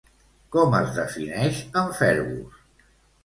Com es defineix en Fergus?